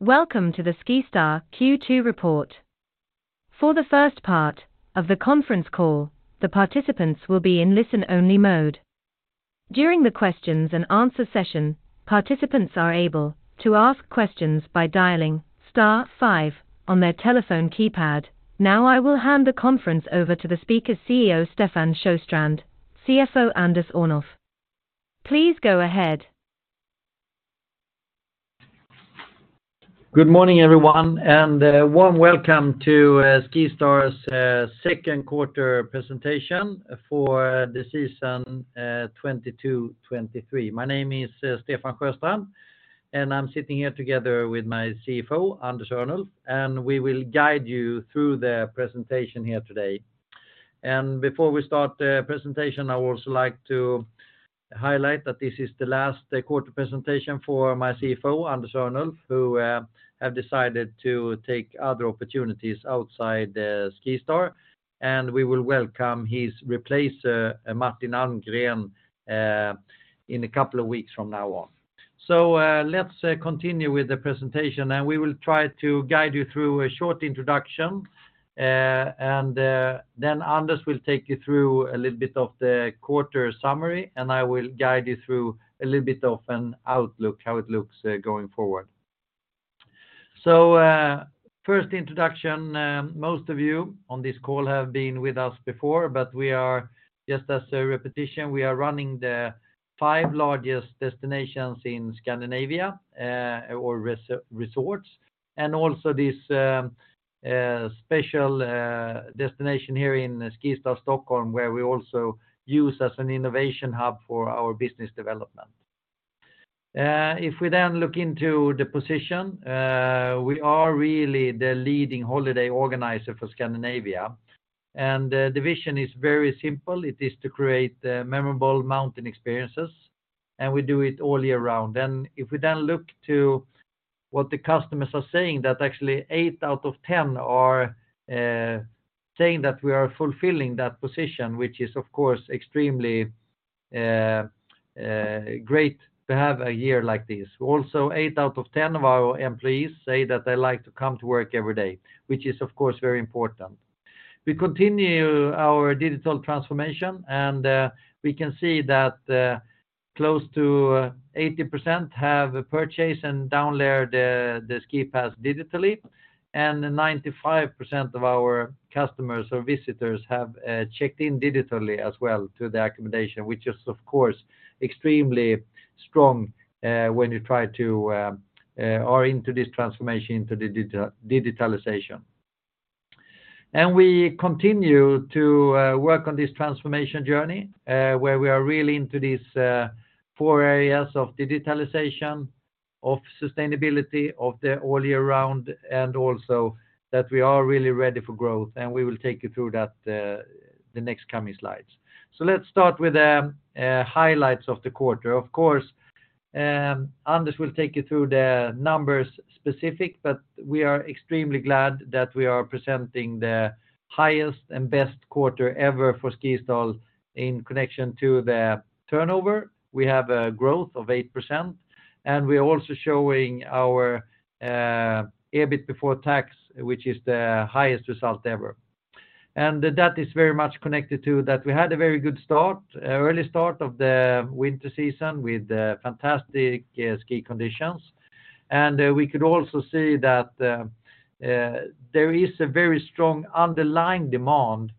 Welcome to the SkiStar Q2 report. For the first part of the conference call, the participants will be in listen-only mode. During the questions and answer session, participants are able to ask questions by dialing star five on their telephone keypad. Now, I will hand the conference over to the speakers CEO Stefan Sjöstrand, CFO Anders Örnulf. Please go ahead. Good morning, everyone, and a warm welcome to SkiStar's second quarter presentation for the season 2022, 2023. My name is Stefan Sjöstrand, and I'm sitting here together with my CFO, Anders Örnulf, and we will guide you through the presentation here today. Before we start the presentation, I would also like to highlight that this is the last quarter presentation for my CFO, Anders Örnulf, who have decided to take other opportunities outside SkiStar, and we will welcome his replacer, Martin Almgren, in a couple of weeks from now on. Let's continue with the presentation, and we will try to guide you through a short introduction. Anders will take you through a little bit of the quarter summary, and I will guide you through a little bit of an outlook, how it looks going forward. First introduction, most of you on this call have been with us before, but we are just as a repetition, we are running the five largest destinations in Scandinavia, or resorts, and also this special destination here in SkiStar Stockholm, where we also use as an innovation hub for our business development. If we then look into the position, we are really the leading holiday organizer for Scandinavia. The division is very simple. It is to create memorable mountain experiences, and we do it all year round. If we then look to what the customers are saying, that actually eight out of 10 are saying that we are fulfilling that position, which is, of course, extremely great to have a year like this. Eight out of 10 of our employees say that they like to come to work every day, which is, of course, very important. We continue our digital transformation and we can see that close to 80% have purchased and downloaded the ski pass digitally. 95% of our customers or visitors have checked in digitally as well to the accommodation, which is of course extremely strong when you try to are into this transformation into the digitalization. We continue to work on this transformation journey where we are really into these four areas of digitalization, of sustainability, of the all year round, and also that we are really ready for growth and we will take you through that the next coming slides. Let's start with the highlights of the quarter. Of course, Anders will take you through the numbers specific, we are extremely glad that we are presenting the highest and best quarter ever for SkiStar in connection to the turnover. We have a growth of 8% and we are also showing our EBIT before tax, which is the highest result ever. That is very much connected to that we had a very good start, early start of the winter season with fantastic ski conditions. We could also see that the there is a very strong underlying demand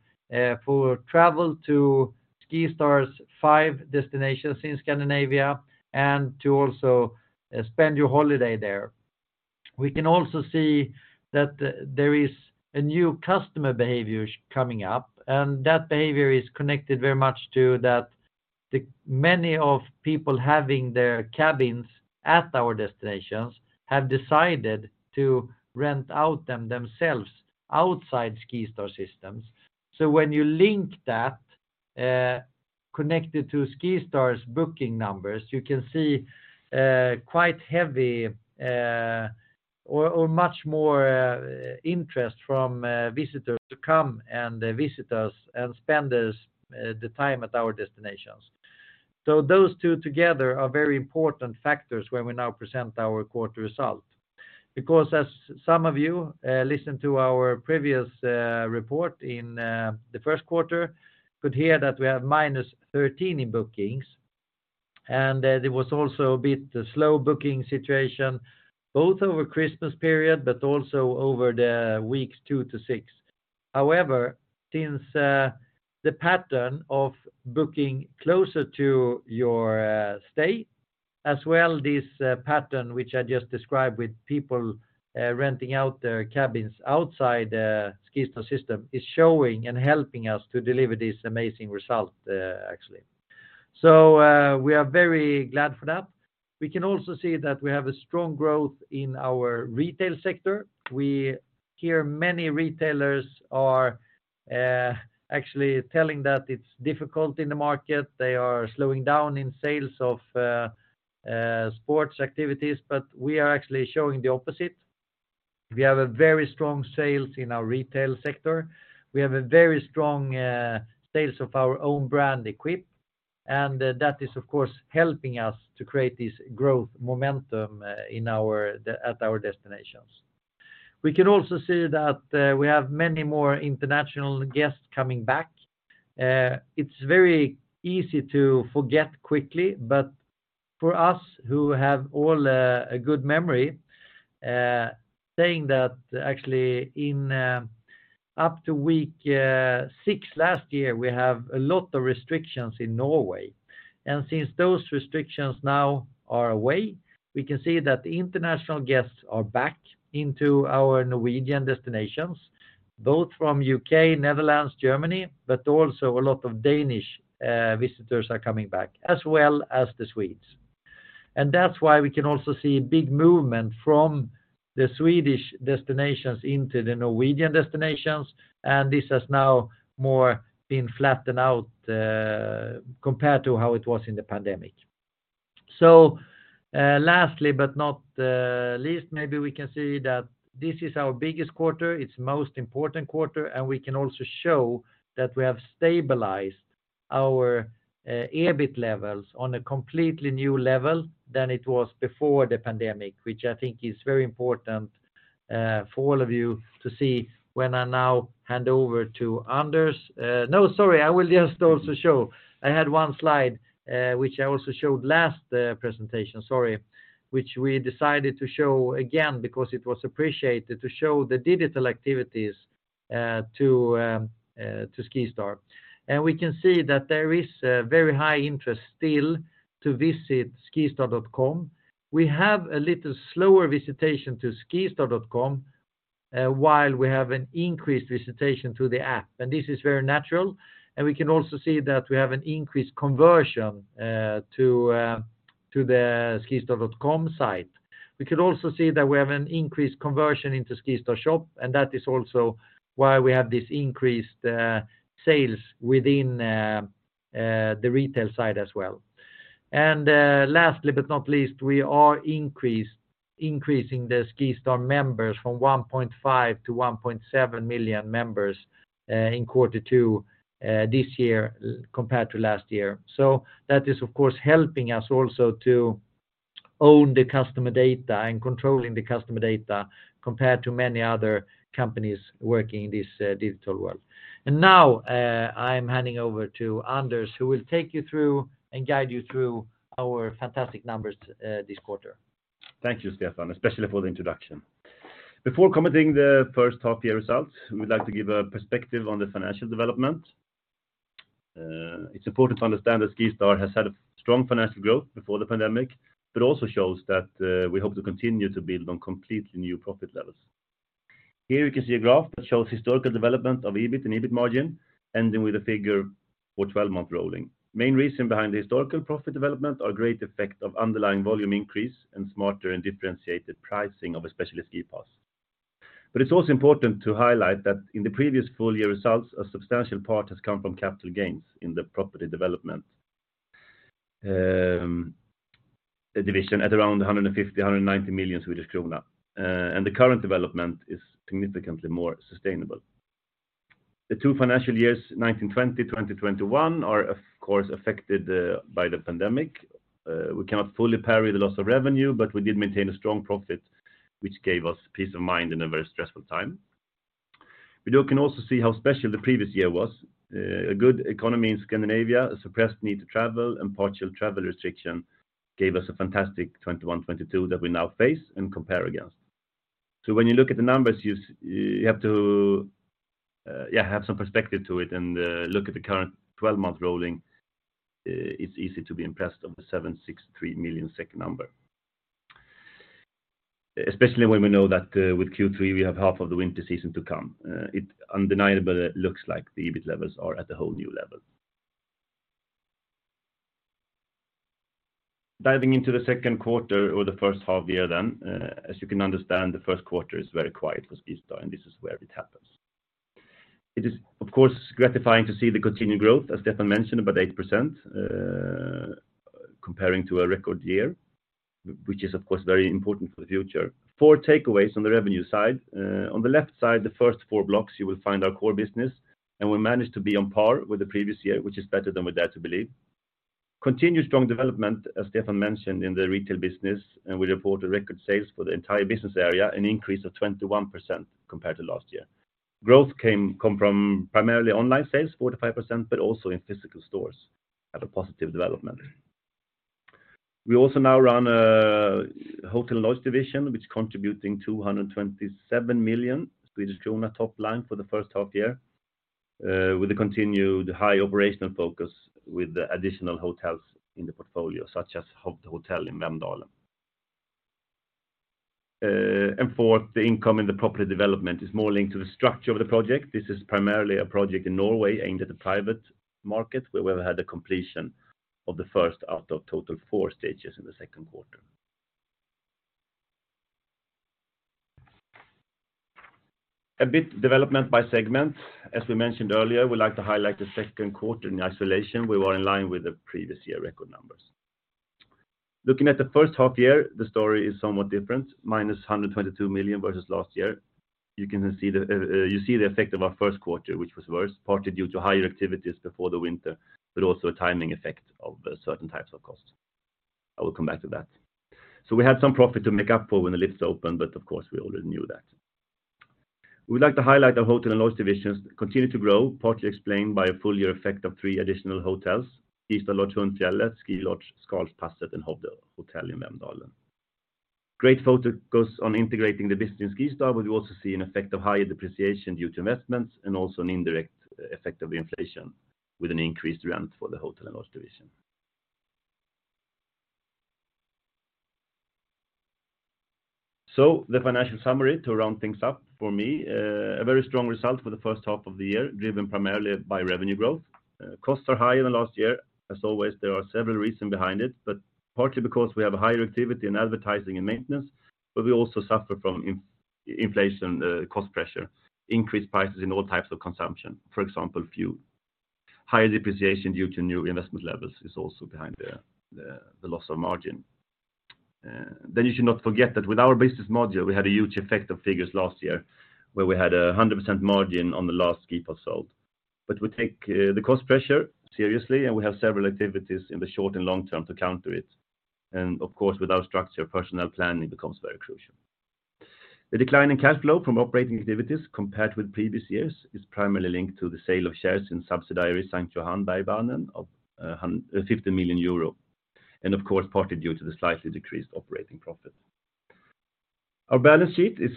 for travel to SkiStar's five destinations in Scandinavia and to also spend your holiday there. We can also see that there is a new customer behavior coming up. That behavior is connected very much to that the many of people having their cabins at our destinations have decided to rent out them themselves outside SkiStar systems. When you link that connected to SkiStar's booking numbers, you can see quite heavy or much more interest from visitors to come and visit us and spend this the time at our destinations. Those two together are very important factors when we now present our quarter result. As some of you listened to our previous report in the first quarter could hear that we have -13 in bookings. There was also a bit slow booking situation, both over Christmas period, but also over the weeks two to six. Since the pattern of booking closer to your stay, as well this pattern which I just described with people renting out their cabins outside the SkiStar system is showing and helping us to deliver this amazing result. We are very glad for that. We can also see that we have a strong growth in our retail sector. We hear many retailers are actually telling that it's difficult in the market. They are slowing down in sales of sports activities, we are actually showing the opposite. We have a very strong sales in our retail sector. We have a very strong sales of our own brand EQPE, that is, of course, helping us to create this growth momentum at our destinations. We can also see that we have many more international guests coming back. It's very easy to forget quickly, but for us who have a good memory, saying that actually in up to week six last year, we have a lot of restrictions in Norway. Since those restrictions now are away, we can see that the international guests are back into our Norwegian destinations, both from UK, Netherlands, Germany, but also a lot of Danish visitors are coming back, as well as the Swedes. That's why we can also see big movement from the Swedish destinations into the Norwegian destinations, and this has now more been flattened out compared to how it was in the pandemic. Lastly, but not least, maybe we can see that this is our biggest quarter, it's most important quarter. We can also show that we have stabilized our EBIT levels on a completely new level than it was before the pandemic, which I think is very important for all of you to see when I now hand over to Anders. No, sorry, I will just also show. I had one slide which I also showed last presentation, sorry, which we decided to show again because it was appreciated to show the digital activities to SkiStar. We can see that there is a very high interest still to visit skistar.com. We have a little slower visitation to skistar.com while we have an increased visitation to the app. This is very natural. We can also see that we have an increased conversion to the skistar.com site. We could also see that we have an increased conversion into SkiStar Shop, and that is also why we have this increased sales within the retail side as well. Lastly, but not least, we are increasing the SkiStar members from 1.5 million to 1.7 million members in Q2 this year compared to last year. That is, of course, helping us also to own the customer data and controlling the customer data compared to many other companies working in this digital world. Now, I'm handing over to Anders, who will take you through and guide you through our fantastic numbers this quarter. Thank you, Stefan, especially for the introduction. Before commenting the first half year results, we'd like to give a perspective on the financial development. It's important to understand that SkiStar has had a strong financial growth before the pandemic, but also shows that we hope to continue to build on completely new profit levels. Here you can see a graph that shows historical development of EBIT and EBIT margin, ending with a figure for 12-month rolling. Main reason behind the historical profit development are great effect of underlying volume increase and smarter and differentiated pricing of especially ski pass. It's also important to highlight that in the previous full year results, a substantial part has come from capital gains in the property development division at around 150 million-190 million Swedish krona. The current development is significantly more sustainable. The two financial years, 2019, 2021, are of course, affected by the pandemic. We cannot fully parry the loss of revenue, but we did maintain a strong profit, which gave us peace of mind in a very stressful time. We can also see how special the previous year was. A good economy in Scandinavia, a suppressed need to travel, and partial travel restriction gave us a fantastic 2021, 2022 that we now face and compare against. When you look at the numbers, you have to have some perspective to it and look at the current 12-month rolling. It's easy to be impressed of the 763 million SEK number. Especially when we know that with Q3, we have half of the winter season to come. It undeniable looks like the EBIT levels are at a whole new level. Diving into the second quarter or the first half year then, as you can understand, the first quarter is very quiet for SkiStar. This is where it happens. It is, of course, gratifying to see the continued growth, as Stefan mentioned, about 8% comparing to a record year, which is of course very important for the future. Four takeaways on the revenue side. On the left side, the first four blocks, you will find our core business. We managed to be on par with the previous year, which is better than we dare to believe. Continued strong development, as Stefan mentioned in the retail business. We report a record sales for the entire business area, an increase of 21% compared to last year. Growth come from primarily online sales, 45%, but also in physical stores at a positive development. We also now run a hotel and lodge division, which contributing 227 million Swedish krona top line for the first half year, with a continued high operational focus with the additional hotels in the portfolio, such as Hotel in Vemdalen. Fourth, the income in the property development is more linked to the structure of the project. This is primarily a project in Norway aimed at the private market, where we've had the completion of the first out of total four stages in the second quarter. A bit development by segment. As we mentioned earlier, we like to highlight the second quarter in isolation. We were in line with the previous year record numbers. Looking at the first half year, the story is somewhat different, -122 million versus last year. You see the effect of our first quarter, which was worse, partly due to higher activities before the winter, but also a timing effect of certain types of costs. I will come back to that. We had some profit to make up for when the lifts opened, but of course, we already knew that. We'd like to highlight our hotel and lodge divisions continue to grow, partly explained by a full year effect of three additional hotels. SkiStar Lodge Hundfjället, Ski Lodge Skarsnuten and Hovde Hotel in Vemdalen. Great focus on integrating the business in SkiStar, we also see an effect of higher depreciation due to investments and also an indirect effect of inflation with an increased rent for the hotel and lodge division. The financial summary to round things up for me, a very strong result for the first half of the year, driven primarily by revenue growth. Costs are higher than last year. As always, there are several reasons behind it, but partly because we have a higher activity in advertising and maintenance, but we also suffer from inflation, cost pressure, increased prices in all types of consumption. For example, fuel. Higher depreciation due to new investment levels is also behind the loss of margin. You should not forget that with our business module, we had a huge effect of figures last year where we had a 100% margin on the last ski pass sold. We take the cost pressure seriously, and we have several activities in the short and long term to counter it. Of course, with our structure, personnel planning becomes very crucial. The decline in cash flow from operating activities compared with previous years is primarily linked to the sale of shares in subsidiaries Sankt Johanner Bergbahnen of 50 million euro, and of course, partly due to the slightly decreased operating profit. Our balance sheet is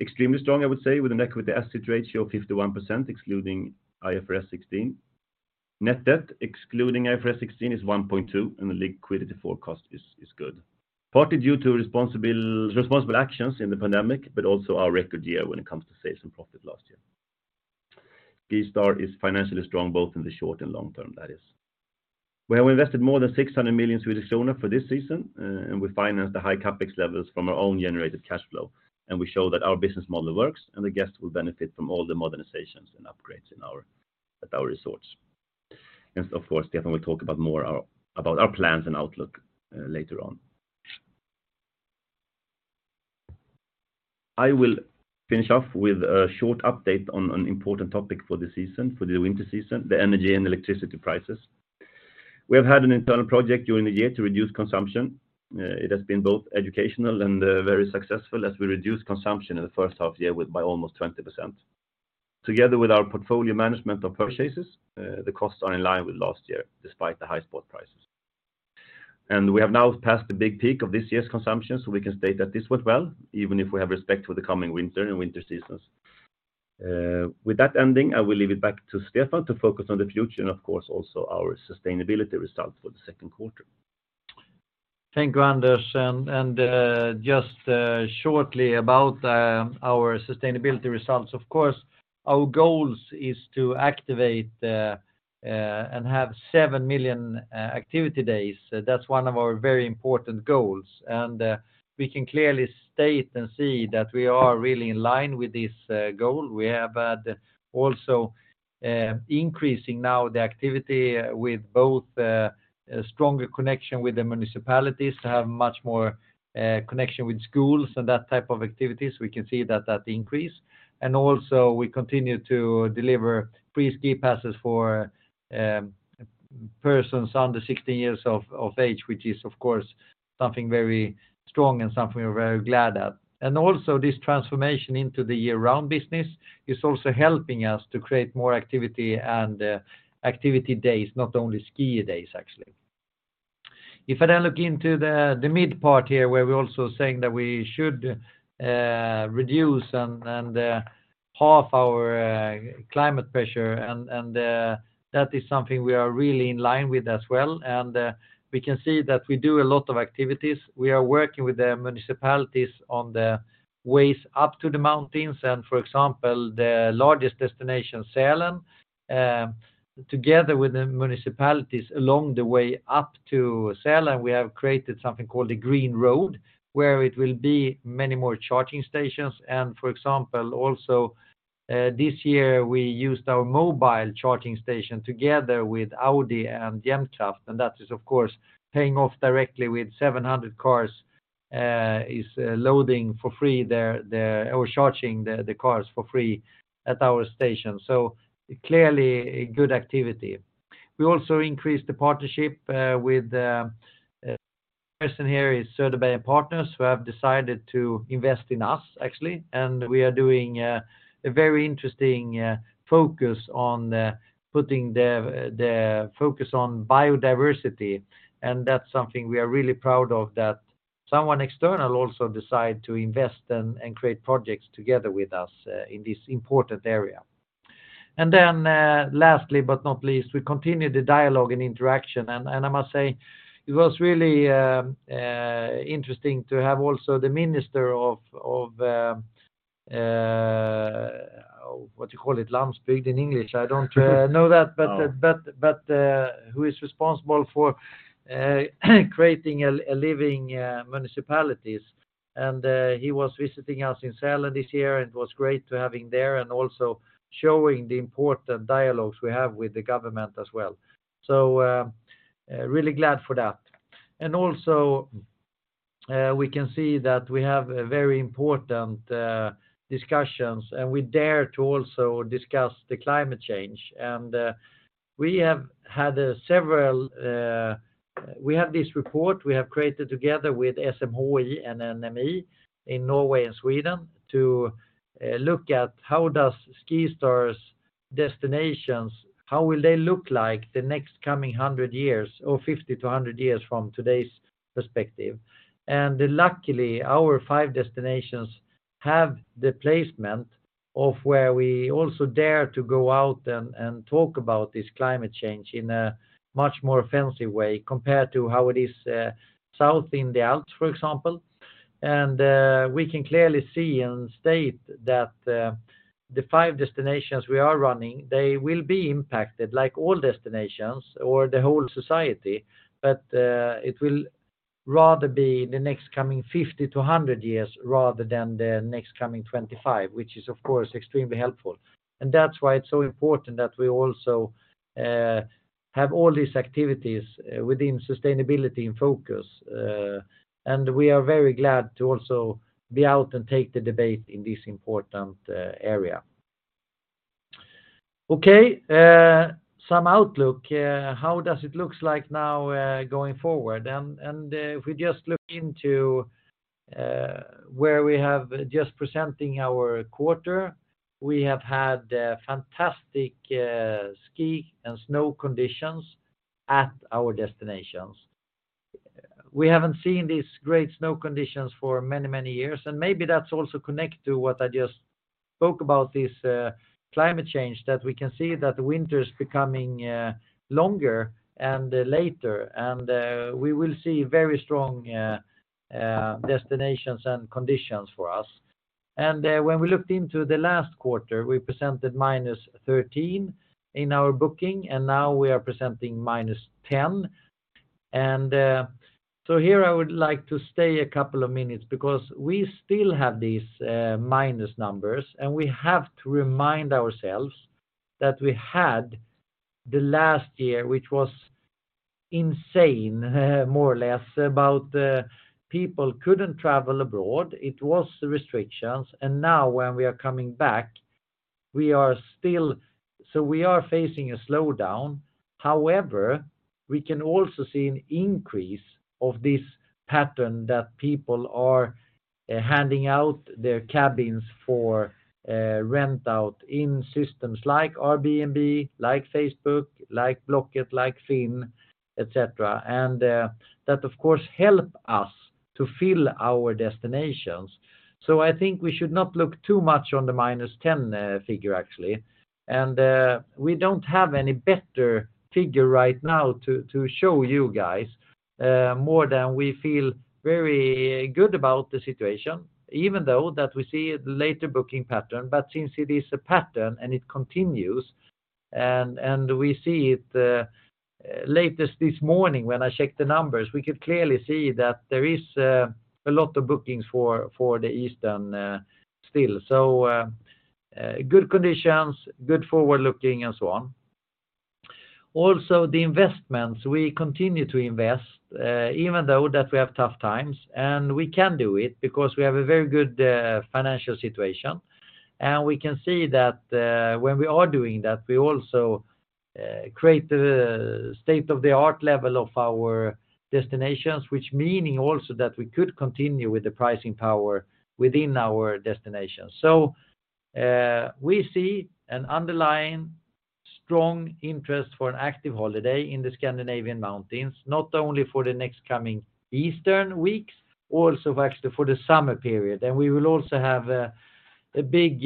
extremely strong, I would say, with an equity asset ratio of 51%, excluding IFRS 16. Net debt, excluding IFRS 16, is 1.2, and the liquidity forecast is good. Partly due to responsible actions in the pandemic, also our record year when it comes to sales and profit last year. SkiStar is financially strong both in the short and long term, that is. We have invested more than 600 million Swedish kronor for this season, and we finance the high CapEx levels from our own generated cash flow, and we show that our business model works and the guests will benefit from all the modernizations and upgrades at our resorts. Of course, Stefan will talk about our plans and outlook later on. I will finish off with a short update on an important topic for the winter season, the energy and electricity prices. We have had an internal project during the year to reduce consumption. It has been both educational and very successful as we reduce consumption in the first half year by almost 20%. Together with our portfolio management of purchases, the costs are in line with last year despite the high spot prices. We have now passed the big peak of this year's consumption, so we can state that this went well, even if we have respect for the coming winter and winter seasons. With that ending, I will leave it back to Stefan to focus on the future and of course, also our sustainability results for the second quarter. Thank you, Anders Örnulf. Just shortly about our sustainability results, of course, our goals is to activate and have 7 million activity days. That's one of our very important goals. We can clearly state and see that we are really in line with this goal. We have had also increasing now the activity with both stronger connection with the municipalities to have much more connection with schools and that type of activities. We can see that that increase. Also we continue to deliver free ski passes for persons under 16 years of age, which is of course something very strong and something we're very glad at. Also this transformation into the year-round business is also helping us to create more activity and activity days, not only ski days, actually. If I then look into the mid part here, where we're also saying that we should reduce and half our climate pressure and that is something we are really in line with as well. We can see that we do a lot of activities. We are working with the municipalities on the ways up to the mountains and, for example, the largest destination, Sälen, together with the municipalities along the way up to Sälen, we have created something called the Green Road, where it will be many more charging stations. For example, also, this year, we used our mobile charging station together with Audi and Jämtkraft, and that is, of course, paying off directly with 700 cars charging the cars for free at our station. Clearly a good activity. We also increased the partnership with the person here is Söderberg & Partners, who have decided to invest in us, actually. We are doing a very interesting focus on putting the focus on biodiversity. That's something we are really proud of that someone external also decide to invest and create projects together with us in this important area. Lastly but not least, we continue the dialogue and interaction. I must say it was really interesting to have also the minister of what you call it, landsbygd in English. I don't know that, but, who is responsible for creating a living municipalities. He was visiting us in Sälen this year, and it was great to have him there and also showing the important dialogues we have with the government as well. Really glad for that. Also, we can see that we have very important discussions, and we dare to also discuss the climate change. We have had several. We have this report we have created together with SMHI and MET Norway in Norway and Sweden to look at how SkiStar's destinations, how will they look like the next coming 100 years or 50-100 years from today's perspective. Luckily, our five destinations have the placement of where we also dare to go out and talk about this climate change in a much more fancy way compared to how it is south in the Alps, for example. We can clearly see and state that the five destinations we are running, they will be impacted like all destinations or the whole society, but it will rather be in the next coming 50 to 100 years rather than the next coming 25, which is of course, extremely helpful. That's why it's so important that we also have all these activities within sustainability in focus. We are very glad to also be out and take the debate in this important area. Some outlook. How does it looks like now going forward? If we just look into where we have just presenting our quarter, we have had fantastic ski and snow conditions at our destinations. We haven't seen these great snow conditions for many, many years, maybe that's also connected to what I just spoke about, this climate change, that we can see that the winter is becoming longer and later, we will see very strong destinations and conditions for us. When we looked into the last quarter, we presented -13 in our booking, now we are presenting -10. Here I would like to stay a couple of minutes because we still have these minus numbers, we have to remind ourselves that we had the last year, which was insane, more or less, about people couldn't travel abroad. It was the restrictions. Now when we are coming back, we are facing a slowdown. However, we can also see an increase of this pattern that people are handing out their cabins for rent out in systems like Airbnb, like Facebook, like Blocket, like Finn, et cetera. That, of course, help us to fill our destinations. I think we should not look too much on the -10 figure, actually. We don't have any better figure right now to show you guys more than we feel very good about the situation, even though that we see a later booking pattern. Since it is a pattern and it continues and we see it latest this morning when I checked the numbers, we could clearly see that there is a lot of bookings for the Easter still. Good conditions, good forward-looking and so on. Also, the investments, we continue to invest, even though that we have tough times, and we can do it because we have a very good financial situation. We can see that when we are doing that, we also create the state of the art level of our destinations, which meaning also that we could continue with the pricing power within our destinations. We see an underlying strong interest for an active holiday in the Scandinavian Mountains, not only for the next coming Eastern weeks, also actually for the summer period. We will also have a big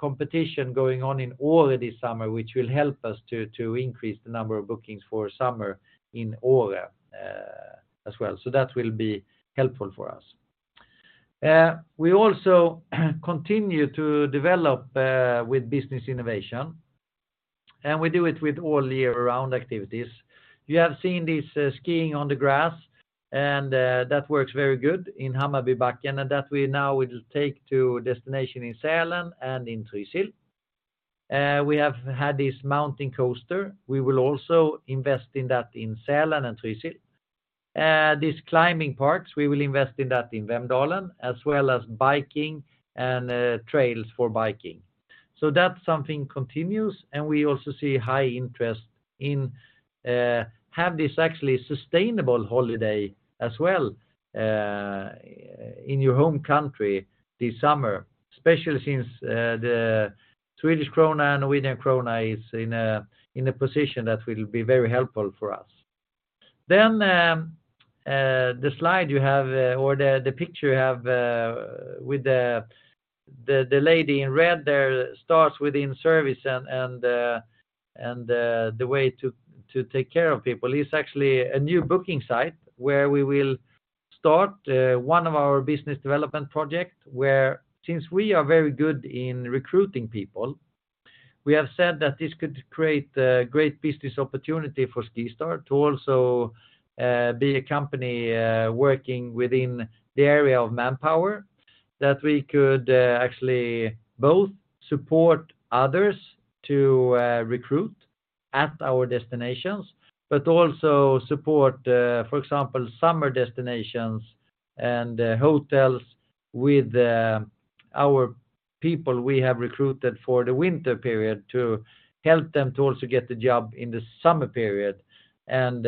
competition going on in Åre this summer, which will help us to increase the number of bookings for summer in Åre as well. That will be helpful for us. We also continue to develop with business innovation, and we do it with all year round activities. You have seen this skiing on the grass, and that works very good in Hammarbybacken. That we now will take to destination in Sälen and in Trysil. We have had this mountain coaster. We will also invest in that in Sälen and Trysil. These climbing parks, we will invest in that in Vemdalen, as well as biking and trails for biking. That something continues, and we also see high interest in have this actually sustainable holiday as well in your home country this summer, especially since the Swedish krona, Norwegian krona is in a position that will be very helpful for us. The slide you have or the picture you have with the lady in red there starts within service and the way to take care of people is actually a new booking site where we will start one of our business development project, where since we are very good in recruiting people. We have said that this could create a great business opportunity for SkiStar to also be a company working within the area of manpower, that we could actually both support others to recruit at our destinations, but also support, for example, summer destinations and hotels with our people we have recruited for the winter period to help them to also get the job in the summer period and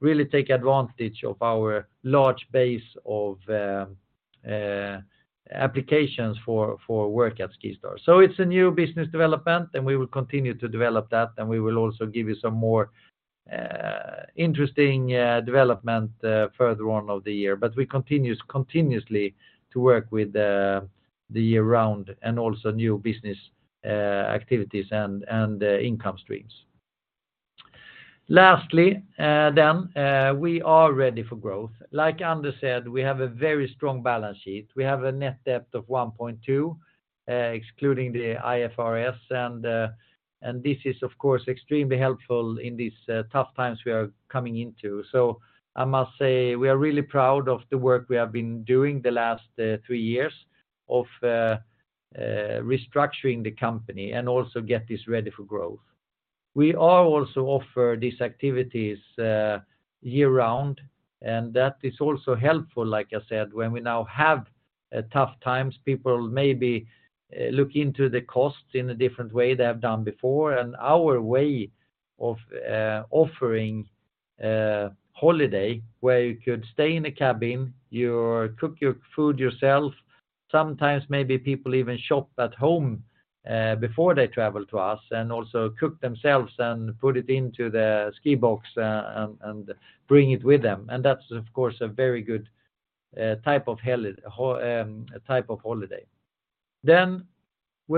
really take advantage of our large base of applications for work at SkiStar. It's a new business development, and we will continue to develop that, and we will also give you some more interesting development further on of the year. We continuously to work with the year round and also new business activities and income streams. Lastly, we are ready for growth. Like Anders said, we have a very strong balance sheet. We have a net debt of 1.2 excluding the IFRS, and this is of course extremely helpful in these tough times we are coming into. I must say we are really proud of the work we have been doing the last three years of restructuring the company and also get this ready for growth. We are also offer these activities year round, and that is also helpful, like I said. When we now have tough times, people maybe look into the cost in a different way they have done before. Our way of offering holiday where you could stay in a cabin, you cook your food yourself, sometimes maybe people even shop at home before they travel to us and also cook themselves and put it into the ski box and bring it with them. That's of course a very good type of holiday. When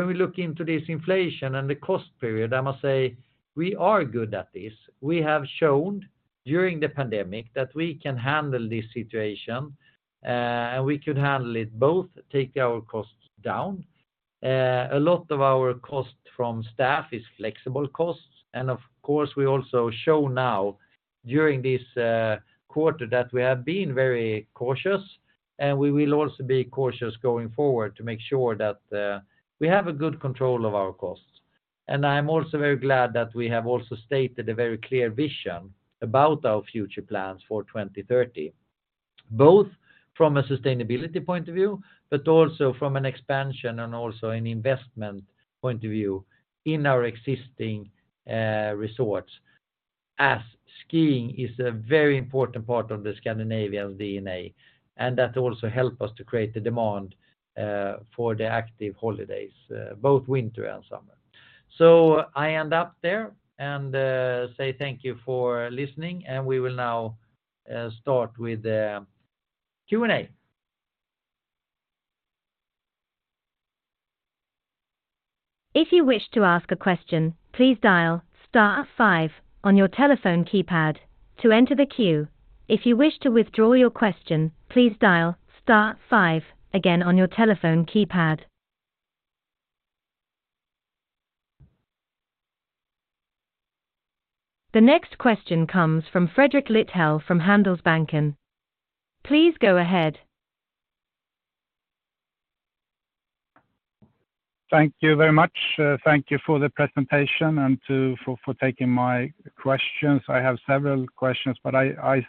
we look into this inflation and the cost period, I must say we are good at this. We have shown during the pandemic that we can handle this situation, and we could handle it both take our costs down. A lot of our cost from staff is flexible costs. Of course, we also show now during this quarter that we have been very cautious, and we will also be cautious going forward to make sure that we have a good control of our costs. I am also very glad that we have also stated a very clear vision about our future plans for 2030, both from a sustainability point of view, but also from an expansion and also an investment point of view in our existing resorts, as skiing is a very important part of the Scandinavian DNA, and that also help us to create the demand for the active holidays, both winter and summer. I end up there and say thank you for listening, and we will now start with the Q&A. If you wish to ask a question, please dial star five on your telephone keypad to enter the queue. If you wish to withdraw your question, please dial star five again on your telephone keypad. The next question comes from Fredrik Lithell from Handelsbanken. Please go ahead. Thank you very much. Thank you for the presentation and for taking my questions. I have several questions, but I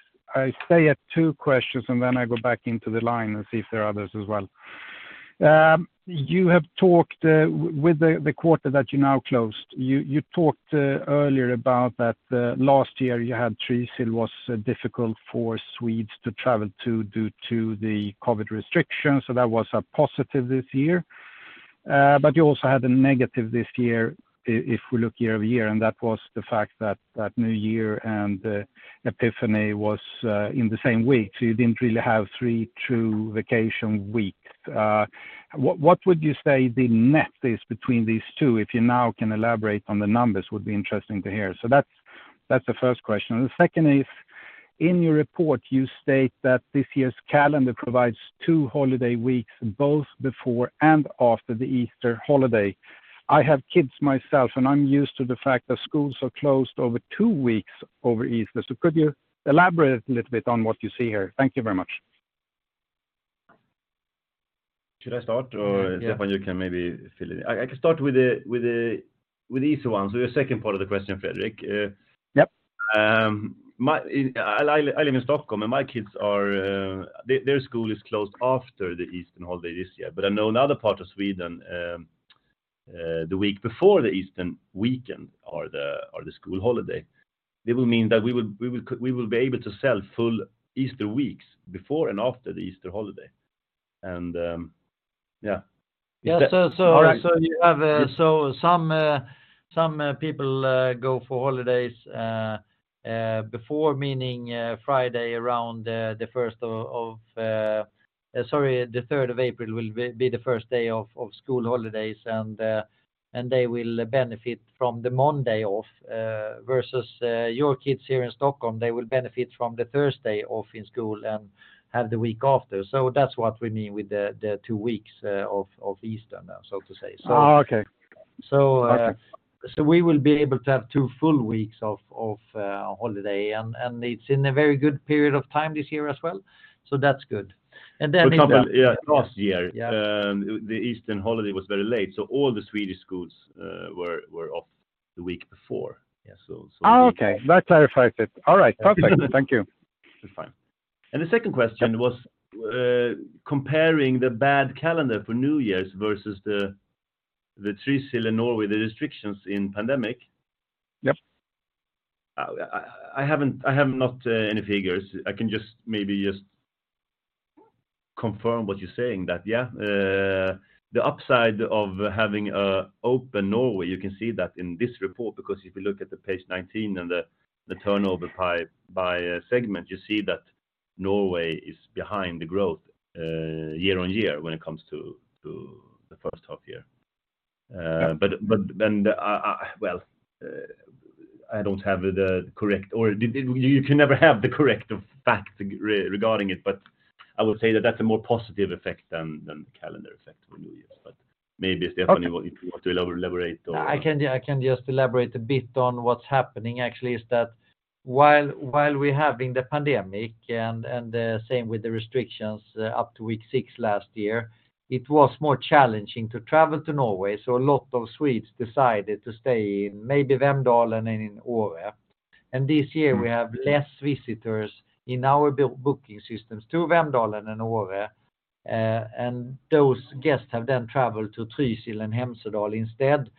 stay at two questions, and then I go back into the line and see if there are others as well. You have talked with the quarter that you now closed. You talked earlier about that last year you had Trysil was difficult for Swedes to travel to due to the COVID restrictions, so that was a positive this year. You also had a negative this year if we look year-over-year, and that was the fact that New Year and Epiphany was in the same week, so you didn't really have three true vacation weeks. What would you say the net is between these two? If you now can elaborate on the numbers would be interesting to hear. That's the first question. The second is, in your report, you state that this year's calendar provides two holiday weeks, both before and after the Easter holiday. I have kids myself, and I'm used to the fact that schools are closed over two weeks over Easter. Could you elaborate a little bit on what you see here? Thank you very much. Should I start? Yeah. Stefan, you can maybe fill in. I can start with the easy one. The second part of the question, Fredrik. Yep. I live in Stockholm, and my kids are their school is closed after the Easter Holiday this year. I know in other part of Sweden, the week before the Easter weekend or the school holiday, it will mean that we will be able to sell full Easter weeks before and after the Easter Holiday. Yeah. Yeah. All right. You have some people go for holidays before, meaning Friday around the first of sorry, the third of April will be the first day of school holidays. They will benefit from the Monday off versus your kids here in Stockholm, they will benefit from the Thursday off in school and have the week after. That's what we mean with the two weeks of Easter, so to say. Oh, okay. We will be able to have two full weeks of holiday and it's in a very good period of time this year as well. That's good. For example, yeah. Yeah the Eastern holiday was very late, so all the Swedish schools were off the week before. Oh, okay. That clarifies it. All right. Perfect. Thank you. That's fine. The second question was, comparing the bad calendar for New Year's versus the Trysil in Norway, the restrictions in pandemic. Yep. I have not any figures. I can just confirm what you're saying that the upside of having a open Norway, you can see that in this report, because if you look at page 19 and the turnover pie by segment, you see that Norway is behind the growth year-over-year when it comes to the first half year. Well, I don't have the correct or you can never have the correct fact regarding it, but I would say that that's a more positive effect than the calendar effect for New Year's. Maybe Stefan you want to elaborate. I can just elaborate a bit on what's happening actually is that while we're having the pandemic and the same with the restrictions up to week six last year, it was more challenging to travel to Norway. A lot of Swedes decided to stay in maybe Vemdalen and in Åre. This year we have less visitors in our booking systems to Vemdalen and Åre. Those guests have then traveled to Trysil and Hemsedal instead.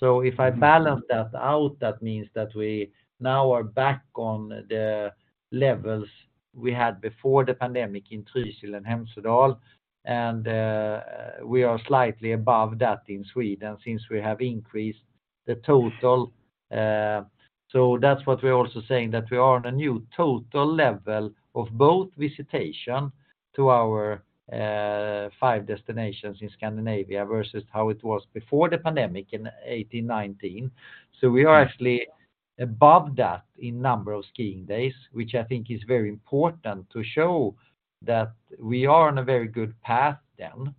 If I balance that out, that means that we now are back on the levels we had before the pandemic in Trysil and Hemsedal. We are slightly above that in Sweden since we have increased the total. That's what we're also saying, that we are on a new total level of both visitation to our five destinations in Scandinavia versus how it was before the pandemic in 2018, 2019. We are actually above that in number of skiing days, which I think is very important to show that we are on a very good path then.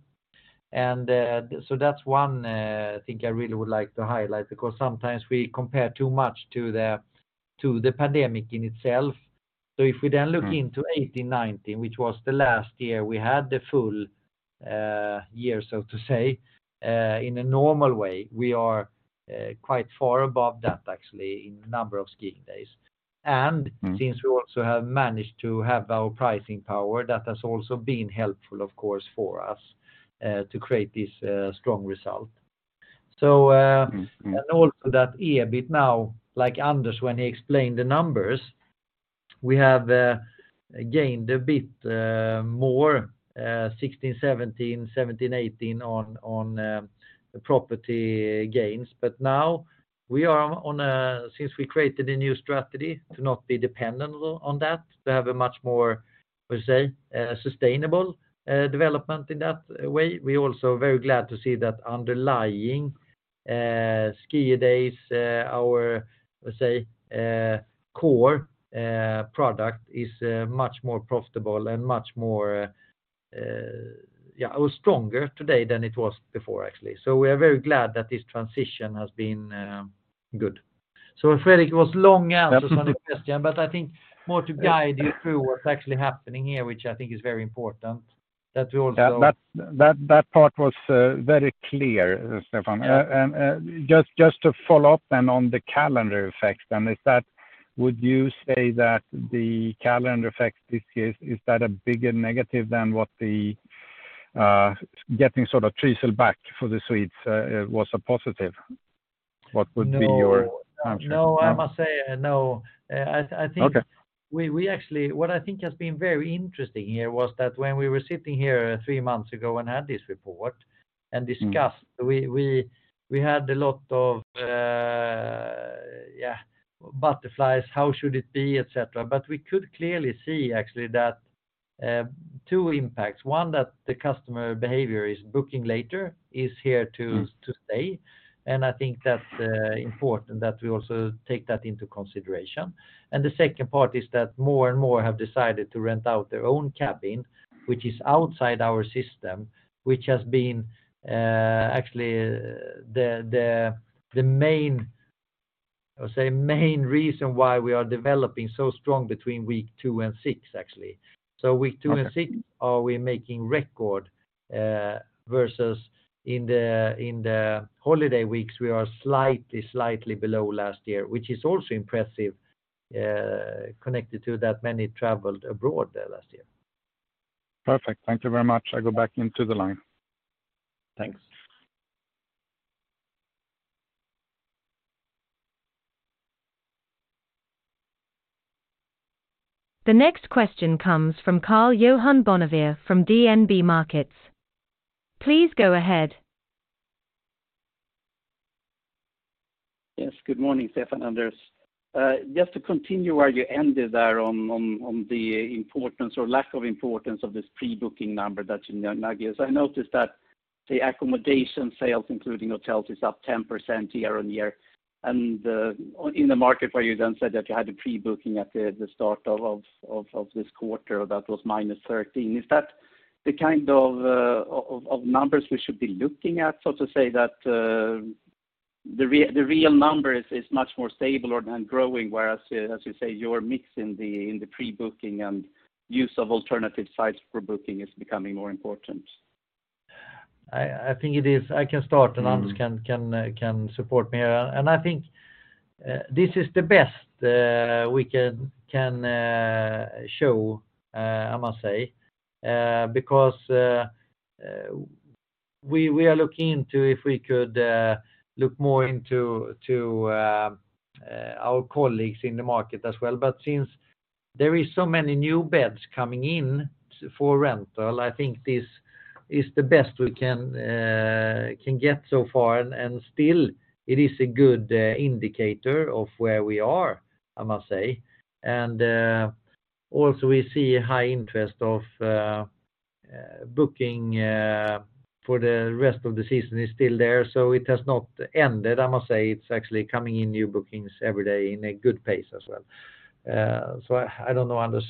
That's one thing I really would like to highlight because sometimes we compare too much to the pandemic in itself. If we then look into 2018, 2019, which was the last year we had the full year, so to say, in a normal way, we are quite far above that actually in number of skiing days. Since we also have managed to have our pricing power, that has also been helpful of course for us, to create this strong result. Mm-hmm. Also that EBIT now, like Anders when he explained the numbers, we have gained a bit more 16, 17, 18 on property gains. Now we are Since we created a new strategy to not be dependent on that, to have a much more, let's say, sustainable development in that way. We're also very glad to see that underlying ski days, our, let's say, core product is much more profitable and much more, yeah, or stronger today than it was before actually. We are very glad that this transition has been good. Fredrik, it was long answers on the question, but I think more to guide you through what's actually happening here, which I think is very important, that we also- That part was very clear, Stefan. Just to follow up then on the calendar effect then, is that would you say that the calendar effect this year, is that a bigger negative than what the getting sort of Trysil back for the Swedes was a positive? What would be your answer? No, I must say no. I think... Okay... What I think has been very interesting here was that when we were sitting here three months ago and had this report and discussed, we had a lot of, yeah, butterflies, how should it be, etcetera. We could clearly see actually that two impacts. One, that the customer behavior is booking later is here to stay. I think that's important that we also take that into consideration. The second part is that more and more have decided to rent out their own cabin, which is outside our system, which has been actually the main, I would say main reason why we are developing so strong between week two and six, actually. Week two and six are we making record, versus in the, in the holiday weeks we are slightly below last year, which is also impressive, connected to that many traveled abroad last year. Perfect. Thank you very much. I go back into the line. Thanks. The next question comes from Karl-Johan Bonnevier from DNB Markets. Please go ahead. Yes, good morning, Stefan Sjöstrand, Anders Örnulf. Just to continue where you ended there on the importance or lack of importance of this pre-booking number that you now give. I noticed that the accommodation sales, including hotels, is up 10% year-on-year. In the market where you then said that you had the pre-booking at the start of this quarter, that was -13. Is that the kind of numbers we should be looking at? To say that the real number is much more stable or than growing, whereas, as you say, your mix in the pre-booking and use of alternative sites for booking is becoming more important. I think it is. I can start and Anders can support me. I think this is the best we can show, I must say. Because we are looking into if we could look more into our colleagues in the market as well. Since there is so many new beds coming in for rental, I think this is the best we can get so far. Still, it is a good indicator of where we are, I must say. Also we see high interest of booking for the rest of the season is still there, so it has not ended. I must say it's actually coming in new bookings every day in a good pace as well. I don't know, Anders,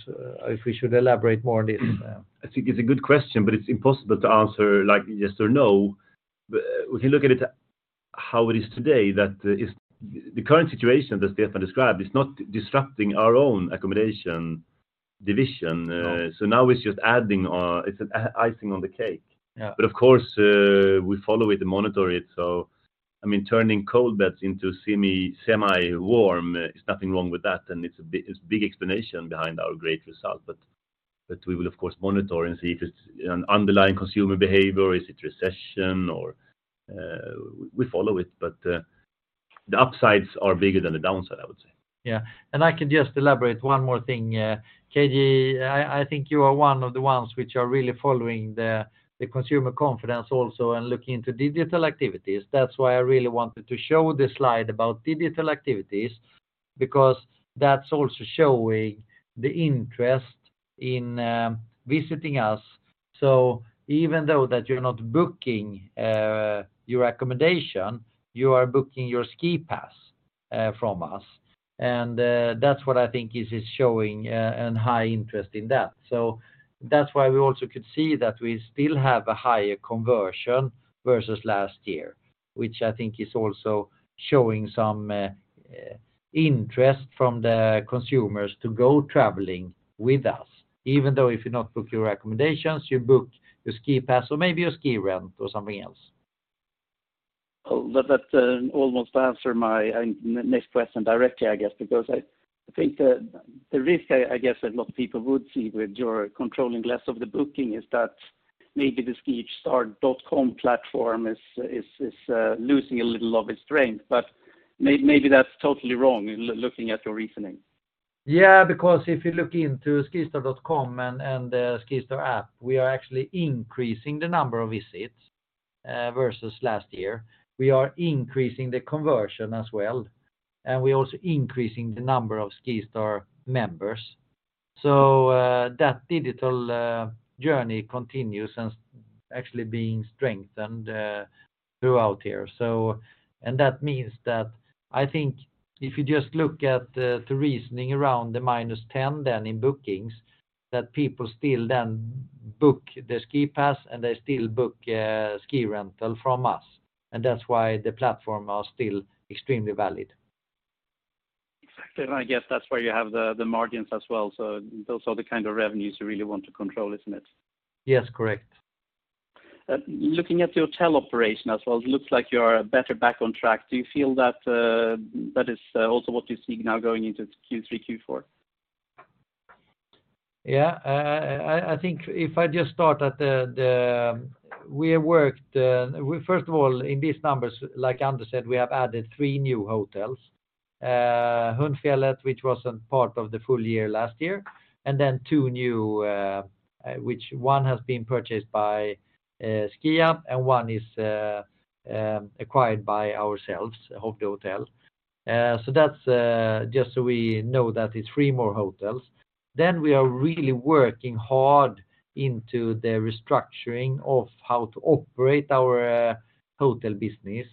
if we should elaborate more on this. I think it's a good question, but it's impossible to answer like yes or no. If you look at it how it is today, the current situation that Stefan described is not disrupting our own accommodation division. It's an icing on the cake. Yeah. Of course, we follow it and monitor it. I mean, turning cold beds into semi-warm, there's nothing wrong with that, and it's a big explanation behind our great result. We will of course monitor and see if it's an underlying consumer behavior, is it recession, or, we follow it. The upsides are bigger than the downside, I would say. I can just elaborate one more thing. KG, I think you are one of the ones which are really following the consumer confidence also and looking into digital activities. That's why I really wanted to show this slide about digital activities, because that's also showing the interest in visiting us. Even though that you're not booking your accommodation, you are booking your ski pass from us. That's what I think is showing an high interest in that. That's why we also could see that we still have a higher conversion versus last year, which I think is also showing some interest from the consumers to go traveling with us. Even though if you not book your accommodations, you book the ski pass or maybe a ski rent or something else. That almost answer my next question directly, I guess, because I think the risk, I guess, that a lot of people would see with your controlling less of the booking is that maybe the skistar.com platform is losing a little of its strength. Maybe that's totally wrong looking at your reasoning. Yeah, because if you look into skistar.com and the SkiStar App, we are actually increasing the number of visits versus last year. We are increasing the conversion as well, we're also increasing the number of SkiStar members. That digital journey continues and actually being strengthened throughout here. That means that I think if you just look at the reasoning around the -10 then in bookings, that people still then book the ski pass and they still book ski rental from us, and that's why the platform are still extremely valid. Exactly. I guess that's where you have the margins as well. Those are the kind of revenues you really want to control, isn't it? Yes, correct. looking at the hotel operation as well, it looks like you are better back on track. Do you feel that is, also what you're seeing now going into Q3, Q4? Yeah. I think if I just start first of all, in these numbers, like Anders said, we have added three new hotels. Hundfjället, which wasn't part of the full year last year, and then two new, which one has been purchased by SkiAB and one is acquired by ourselves, Hotel. So that's just so we know that it's three more hotels. Then we are really working hard into the restructuring of how to operate our hotel business.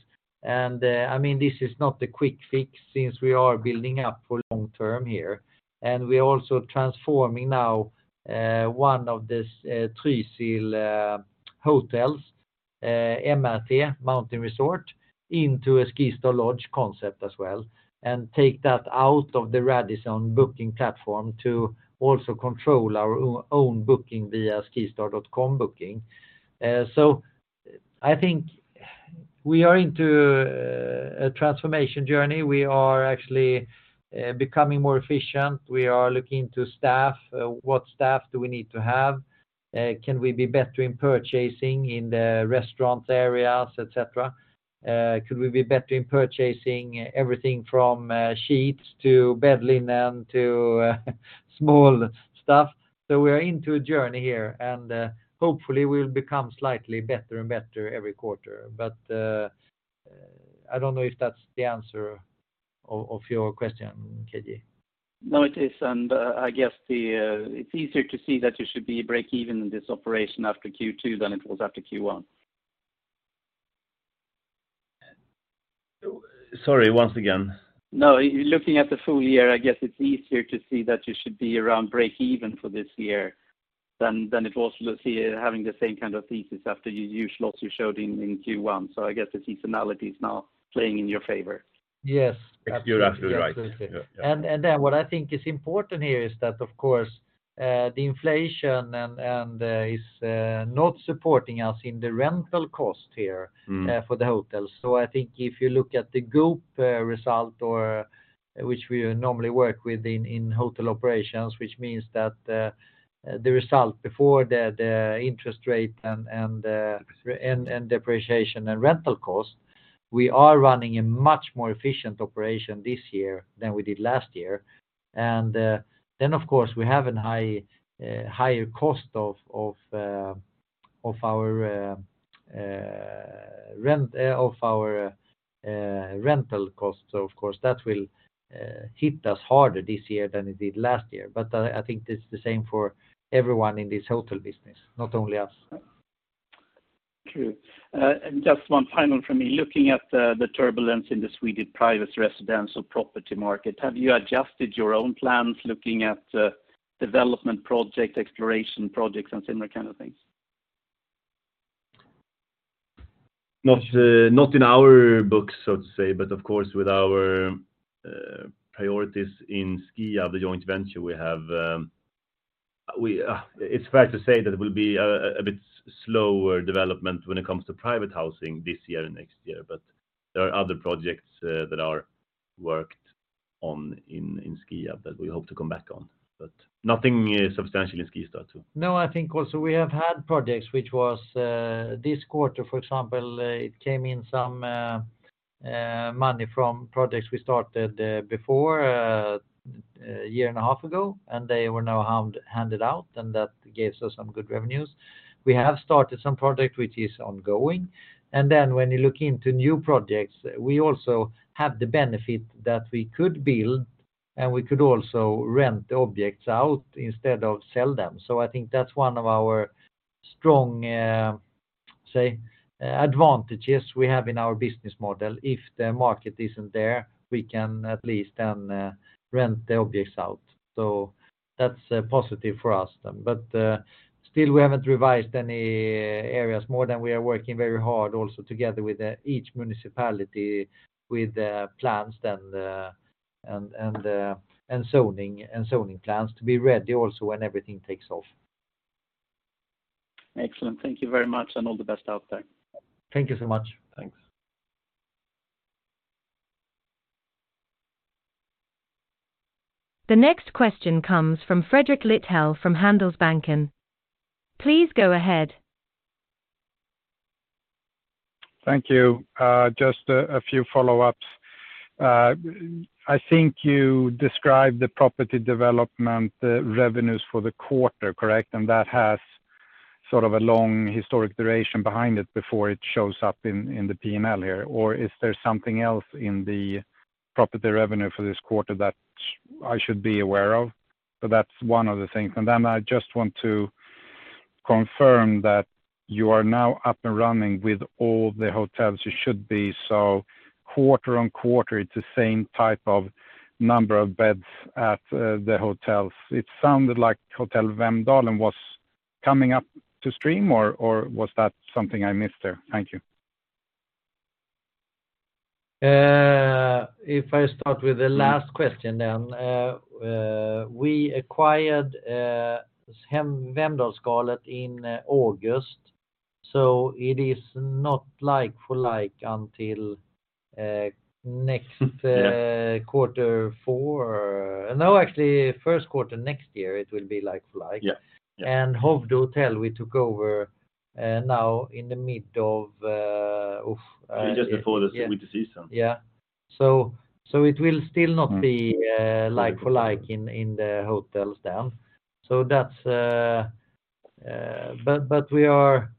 I mean, this is not a quick fix since we are building up for long term here. We are also transforming now, one of these Trysil hotels, MRT Mountain Resort, into a SkiStar Lodge concept as well, and take that out of the Radisson booking platform to also control our own booking via skistar.com booking. I think we are into a transformation journey. We are actually becoming more efficient. We are looking to staff, what staff do we need to have? Can we be better in purchasing in the restaurant areas, et cetera? Could we be better in purchasing everything from sheets to bed linen to small stuff? We are into a journey here, and hopefully we'll become slightly better and better every quarter. I don't know if that's the answer of your question, KG. No, it is. I guess the, it's easier to see that you should be breakeven in this operation after Q2 than it was after Q1. Sorry, once again. No, looking at the full year, I guess it's easier to see that you should be around breakeven for this year. Than it was last year having the same kind of thesis after you slots you showed in Q1. I guess the seasonality is now playing in your favor. Yes. You're absolutely right. Absolutely. Yeah. What I think is important here is that, of course, the inflation and is not supporting us in the rental cost here. Mm. For the hotels. I think if you look at the group result or which we normally work with in hotel operations, which means that the result before the interest rate and depreciation and rental costs, we are running a much more efficient operation this year than we did last year. Then of course, we have higher cost of our rental costs. Of course, that will hit us harder this year than it did last year. I think it's the same for everyone in this hotel business, not only us. True. Just one final from me. Looking at the turbulence in the Swedish private residential property market, have you adjusted your own plans looking at, development projects, exploration projects, and similar kind of things? Not, not in our books, so to say. Of course, with our priorities in SkiAB, the joint venture, it's fair to say that it will be a bit slower development when it comes to private housing this year and next year. There are other projects that are worked on in SkiAB that we hope to come back on. Nothing substantial in SkiStar too. I think also we have had projects which was this quarter, for example, it came in some money from projects we started before a year and a half ago, and they were now handed out, and that gave us some good revenues. We have started some project which is ongoing. When you look into new projects, we also have the benefit that we could build, and we could also rent objects out instead of sell them. I think that's one of our strong, say, advantages we have in our business model. If the market isn't there, we can at least then rent the objects out. That's positive for us. Still we haven't revised any areas more than we are working very hard also together with the each municipality with plans then, and zoning plans to be ready also when everything takes off. Excellent. Thank you very much, and all the best out there. Thank you so much. Thanks. The next question comes from Fredrik Lithell from Handelsbanken. Please go ahead. Thank you. Just a few follow-ups. I think you described the property development revenues for the quarter, correct? That has sort of a long historic duration behind it before it shows up in the P&L here. Or is there something else in the property revenue for this quarter that I should be aware of? That's one of the things. Then I just want to confirm that you are now up and running with all the hotels you should be. Quarter on quarter, it's the same type of number of beds at the hotels. It sounded like Hotel Vemdalen was coming up to stream or was that something I missed there? Thank you. If I start with the last question then. We acquired Vemdalsskalet in August, so it is not like for like until next. Yeah. quarter four. No, actually, first quarter next year, it will be like for like. Yeah. Yeah. Hovde Hotel we took over now in the mid of. Just before the winter season. Yeah. It will still not be, like for like in the hotels then. That's. We are.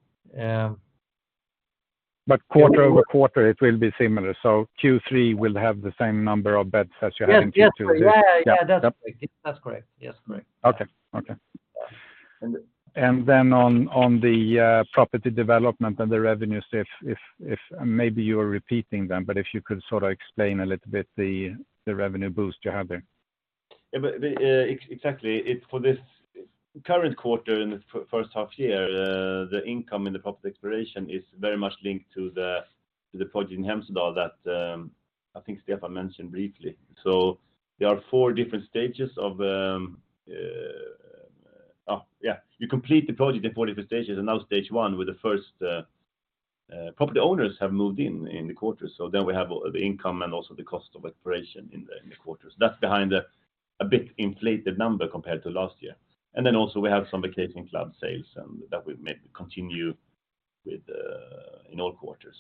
Quarter-over-quarter, it will be similar. Q3 will have the same number of beds as you had in Q2. Yes. Yes. Yeah, yeah. That's correct. That's correct. Yes, correct. Okay. Okay. Then on the property development and the revenues, if Maybe you are repeating then, but if you could sort of explain a little bit the revenue boost you have there? Exactly. For this current quarter in the first half year, the income in the property exploration is very much linked to the project in Hemsedal that I think Stefan mentioned briefly. There are four different stages of. Oh, yeah. You complete the project in four different stages, and now stage one with the first property owners have moved in in the quarter. We have the income and also the cost of exploration in the quarters. That's behind the, a bit inflated number compared to last year. Also we have some Vacation Club sales and that we've made continue with in all quarters.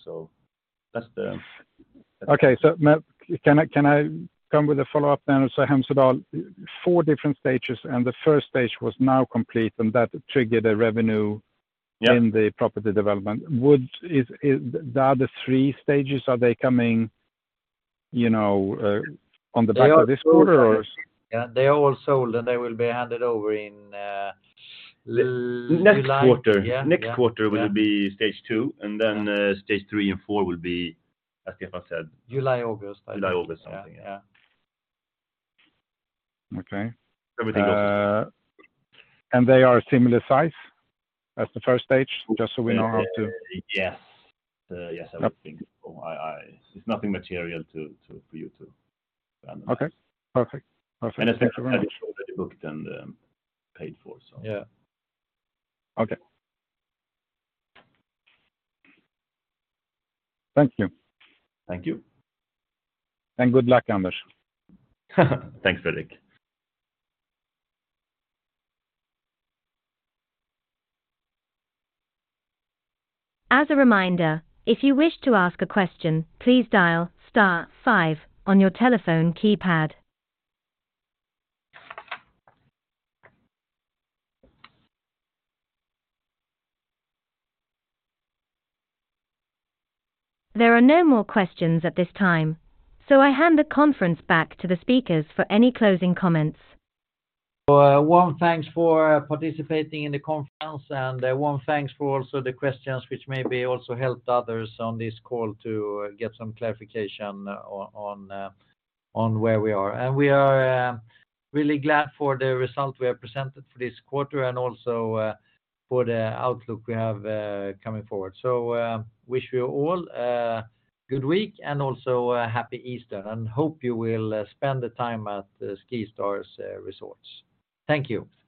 That's the. Can I come with a follow-up then? Hemsedal, four different stages, and the first stage was now complete, and that triggered a revenue. Yeah. In the property development. Is the other three stages, are they coming, you know, on the back of this quarter or? Yeah. They are all sold, and they will be handed over in July. Next quarter. Yeah. Yeah. Next quarter will be stage two, and then, stage three and four will be, as Stefan said... July, August. July, August something. Yeah. Yeah. Okay. They are similar size as the first stage? Just so we know how to... Yes. Yes, I would think so. It's nothing material for you to understand. Okay. Perfect. Perfect. Thank you very much. It's actually already booked and paid for. Yeah. Okay. Thank you. Thank you. Good luck, Anders. Thanks, Fredrik. As a reminder, if you wish to ask a question, please dial star five on your telephone keypad. There are no more questions at this time. I hand the conference back to the speakers for any closing comments. A warm thanks for participating in the conference, and a warm thanks for also the questions which maybe also helped others on this call to get some clarification on where we are. We are really glad for the result we have presented for this quarter and also for the outlook we have coming forward. Wish you all a good week and also a happy Easter, and hope you will spend the time at the SkiStar resorts. Thank you.